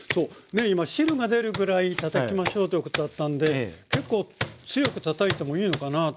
今汁が出るぐらいにたたきましょうということだったんで結構強くたたいてもいいのかなあと。